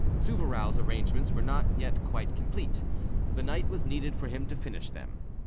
Souvarow's arrangements were not yet quite complete, the night was needed for him to finish them.